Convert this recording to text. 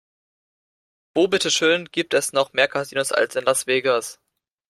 Wo bitte schön gibt es noch mehr Casinos als in Las Vegas?